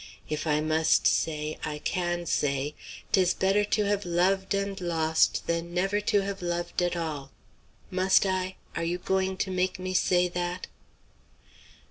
If I must say, I can say, ''Tis better to have loved and lost Than never to have loved at all.' Must I? Are you going to make me say that?"